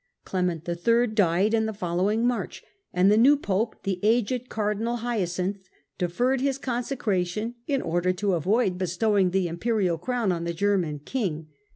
Clement III. pedition of died in the following March, and the new Pope, thef^y^^'' aged Cardinal Hyacinth, deferred his consecration in order to avoid bestowing the imperial crown on the German king.